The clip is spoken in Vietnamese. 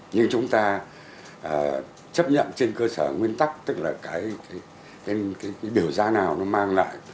nhưng chúng ta chấp nhận trên cơ sở nguyên tắc tức là cái biểu giá nào nó mang lại